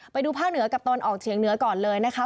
ไปดูภาคเหนือกับตะวันออกเฉียงเหนือก่อนเลยนะคะ